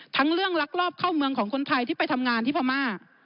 เรื่องลักลอบเข้าเมืองของคนไทยที่ไปทำงานที่พม่า